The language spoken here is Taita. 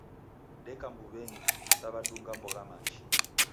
Deka mbuw'enyi, daw'edunga mbogha machi